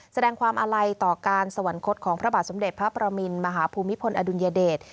แสดงความอาลัยต่อการสวรรคตของพระบาทสมเด็จพระประมินมหาภูมิพลอดุลยเดช